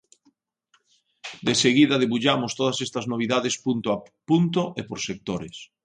De seguida debullamos todas estas novidades punto a punto e por sectores.